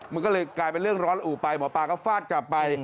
มันก็เลยกลายเป็นเรื่องร้อนอู่ไปหมอปลาก็ฟาดกลับไป